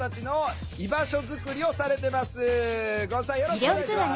よろしくお願いします。